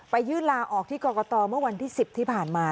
ยื่นลาออกที่กรกตเมื่อวันที่๑๐ที่ผ่านมา